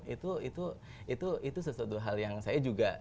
itu itu itu itu sesuatu hal yang saya juga